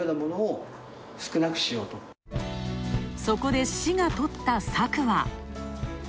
そこで市がとった策は。